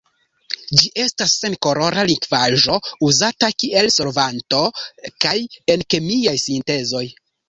Ĝi estas senkolora likvaĵo uzata kiel solvanto kaj en kemiaj sintezoj.